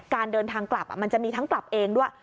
การเดินทางกลับมันจะมีทั้งกลับเองด้วย